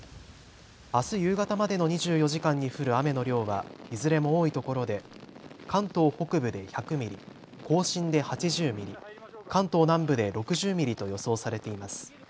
あす夕方までの２４時間に降る雨の量はいずれも多いところで関東北部で１００ミリ、甲信で８０ミリ、関東南部で６０ミリと予想されています。